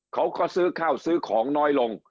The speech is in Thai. เขาก็ซื้อข้าวซื้อของน้อยลง